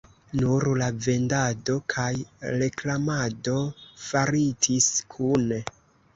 Nur la vendado kaj reklamado faritis kune.